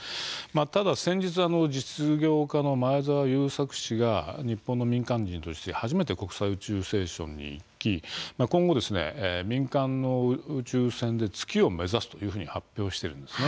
ただ先日、実業家の前澤友作氏が日本の民間人として初めて宇宙ステーションに行き今後、民間の宇宙船で月を目指すと発表しているんです。